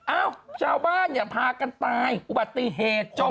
อ้าวชาวบ้านอย่าพากันตายอุบัติเหตุจมนะ